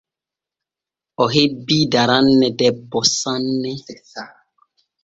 O hebbii daranne debbo sanne.